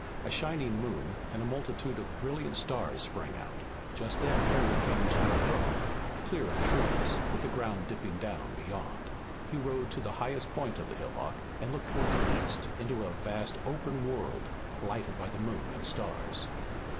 A shining moon and a multitude of brilliant stars sprang out. Just then Harry came to a hillock, clear of trees, with the ground dipping down beyond. He rode to the highest point of the hillock and looked toward the east into a vast open world, lighted by the moon and stars.